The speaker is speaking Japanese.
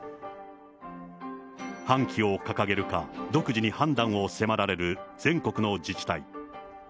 半旗を掲げるか、独自に判断を迫られる全国の自治体。